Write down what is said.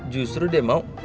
justru deh mau lo mikir